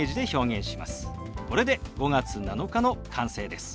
これで「５月７日」の完成です。